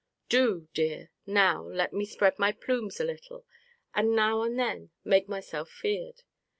Do, dear, now, let me spread my plumes a little, and now and then make myself feared.